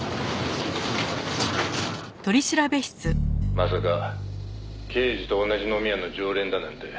「まさか刑事と同じ飲み屋の常連だなんて」